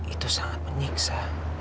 itu sangat menyiksa